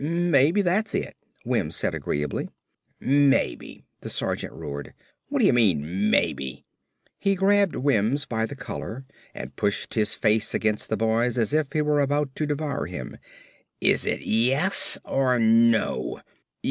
"Maybe that's it," Wims said agreeably. "Maybe!" the sergeant roared, "whaddaya mean, maybe?" He grabbed Wims by the collar and pushed his face against the boy's as if he were about to devour him. "Is it YES or NO?"